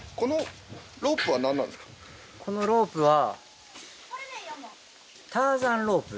このロープは。